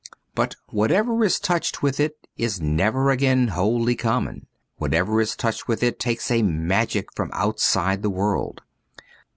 But whatever is touched with it is never again wholly common ; whatever is touched with it takes a magic from outside the world.